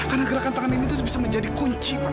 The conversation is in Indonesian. karena gerakan tangan ini itu bisa menjadi kunci pak